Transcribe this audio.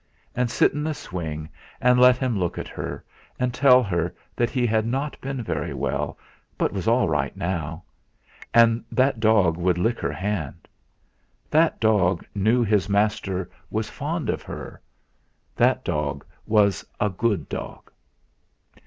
and sit in the swing and let him look at her and tell her that he had not been very well but was all right now; and that dog would lick her hand. That dog knew his master was fond of her; that dog was a good dog.